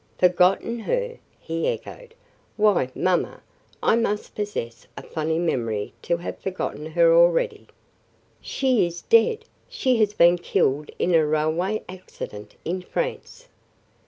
"Forgotten her!" he echoed. "Why, mamma, I must possess a funny memory to have forgotten her already." "She is dead. She has been killed in a railway accident in France."